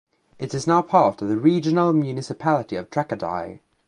It is now part of the Regional Municipality of Tracadie.